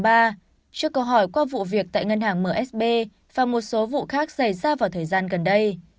trước câu hỏi qua vụ việc tại ngân hàng msb và một số vụ khác xảy ra vào thời gian gần đây